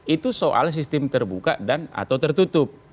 itu soal sistem terbuka dan atau tertutup